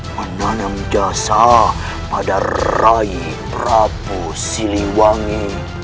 menanam jasa pada raih prabu siliwangi